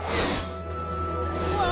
うわ！